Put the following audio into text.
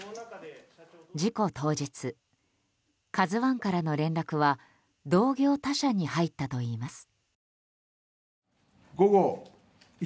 事故当日「ＫＡＺＵ１」からの連絡は同業他社に入ったといいます。